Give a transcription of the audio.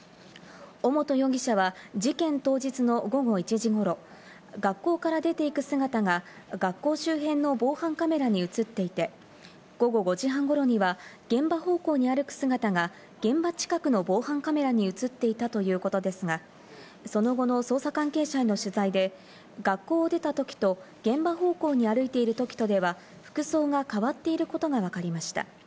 尾本容疑者は、事件当日の午後１時頃、学校から出て行く姿が学校周辺の防犯カメラに映っていて、午後５時半頃には、現場方向に歩く姿が現場近くの防犯カメラに映っていたということですが、その後の捜査関係者への取材で学校を出たときと現場方向に歩いている時とでは、服装が変わっていることがわかりました。